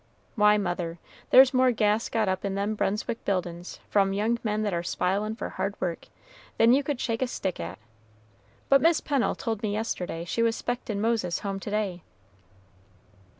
Why, mother, there's more gas got up in them Brunswick buildin's, from young men that are spilin' for hard work, than you could shake a stick at! But Mis' Pennel told me yesterday she was 'spectin' Moses home to day."